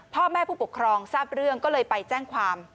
พ่อแม่ผู้ปกครองทราบเรื่องก็เลยไปแจ้งความ